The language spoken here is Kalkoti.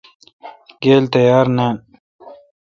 گیل تیار نان۔